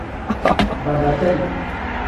Babakini.